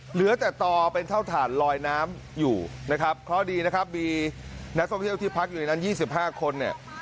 เหลือแต่ต่อเป็นเท่าฐานลอยน้ำอยู่นะครับเพราะดีนะครับมีนักท่องเที่ยวที่พักอยู่ในนั้น๒๕คนเนี่ย